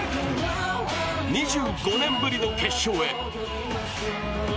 ２５年ぶりの決勝へ。